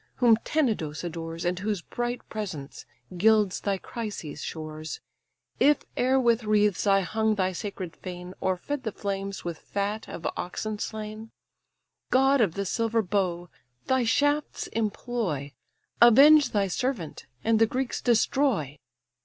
whom Tenedos adores, And whose bright presence gilds thy Chrysa's shores. If e'er with wreaths I hung thy sacred fane, Or fed the flames with fat of oxen slain; God of the silver bow! thy shafts employ, Avenge thy servant, and the Greeks destroy."